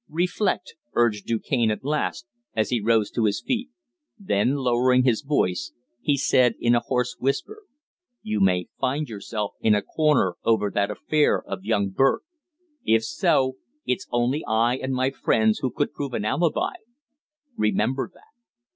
"Reflect," urged Du Cane at last, as he rose to his feet. Then, lowering his voice, he said in a hoarse whisper, "You may find yourself in a corner over that affair of young Burke. If so, it's only I and my friends who could prove an alibi. Remember that."